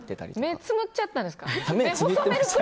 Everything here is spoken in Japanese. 目つぶっちゃったんですか？